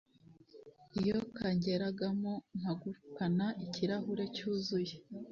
iyo kangeragamo mpagurukana ikirahure cyuzuye